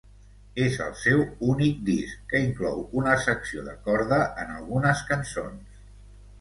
És el seu únic disc que inclou una secció de corda en algunes cançons.